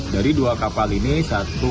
dari dua kapal ini satu